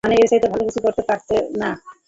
মানে, এরচাইতে ভালো কিছু হতে পারতো না।